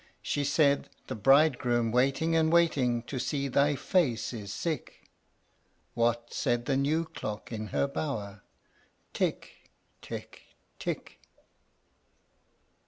She said, "The bridegroom waiting and waiting To see thy face is sick." What said the new clock in her bower? "Tick, tick, tick!"